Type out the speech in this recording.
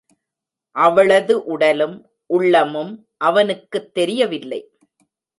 அவளது உடலும், உள்ளமும் அவனுக்குத் தெரியவில்லை.